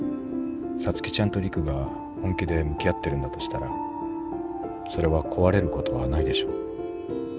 皐月ちゃんと陸が本気で向き合ってるんだとしたらそれは壊れることはないでしょ。